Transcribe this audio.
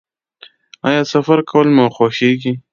ایا سفر کول مو خوښیږي؟